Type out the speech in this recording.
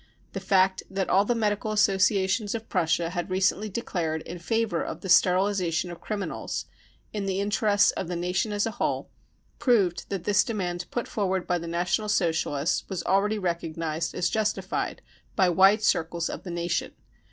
The fact that all the Medical Associations of Prussia had recently declared in favour of the sterilisation of criminals, in the interests of the nation as a whole, proved that this demand put forward by the National Socialists was already recog nised as justified by wide circles of the nation.